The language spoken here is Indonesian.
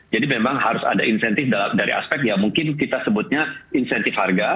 jadi memang harus ada insentif dari aspek ya mungkin kita sebutnya insentif harga